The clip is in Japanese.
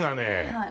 はい。